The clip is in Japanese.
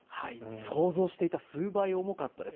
想像していた数倍重かったです。